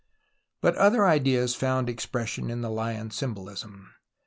But other ideas found expression in tlie lion symbohsm.